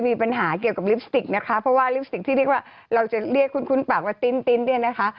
มีปัญหาเกี่ยวกับลิปสติกนะคะเพราะว่าลิปสติกที่เรียกว่าเราจะเรียกคุ้นปากว่าติ๊นเนี่ยนะคะ